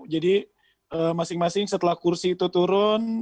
jadi masing masing setelah kursi itu turun